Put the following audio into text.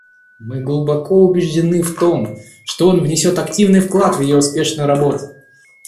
Мы глубоко убеждены в том, что он внесет активный вклад в ее успешную работу.